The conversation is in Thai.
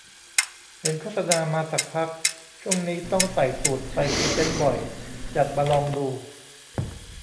เห็นโฆษณามาสักพัก ช่วงนี้ต้องใส่สูทไปพรีเซนต์บ่อย จัดมาลองดู